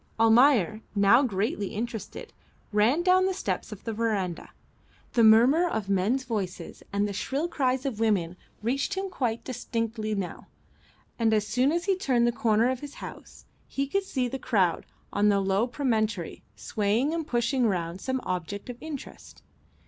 Almayer, now greatly interested, ran down the steps of the verandah. The murmur of men's voices and the shrill cries of women reached him quite distinctly now, and as soon as he turned the corner of his house he could see the crowd on the low promontory swaying and pushing round some object of interest.